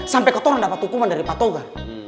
sampai ketorong dapat hukuman dari pak toga